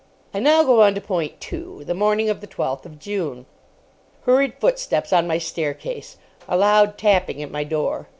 I now go on to point two: the morning of the twelfth of June. Hurried footsteps on my staircase. A loud tapping at my door.